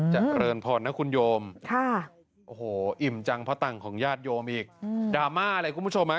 จะเจริญพอร์ตนครโยมอิ่มจังเพราะตังของญาติโยมอีกดราม่าอะไรคุณผู้ชมครับ